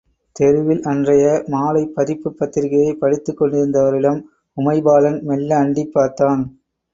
தெருவில் அன்றைய மாலைப் பதிப்புப் பத்திரிகையைப் படித்துக் கொண்டிருந்தவரிடம் உமைபாலன் மெல்ல அண்டிப் பார்த்தான்.